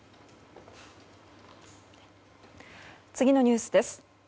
次のニュースです。